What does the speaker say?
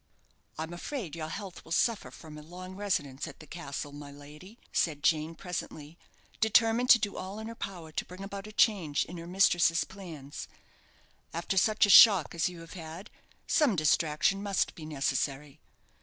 "I'm afraid your health will suffer from a long residence at the castle, my lady," said Jane, presently, determined to do all in her power to bring about a change in her mistress's plans. "After such a shock as you have had, some distraction must be necessary.